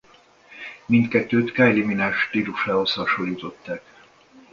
Mindkettőt Kylie Minogue stílusához hasonlították.